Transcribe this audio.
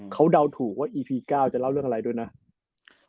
เขาเดาถูกว่าที่ว่าพี่บอยทำสกริปเสร็จแล้วด้วยนะครับ